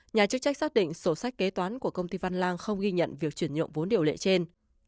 nhà chức trách xác định sổ sách kế toán của công ty văn lang không ghi nhận việc chuyển nhượng vốn điều lệ trên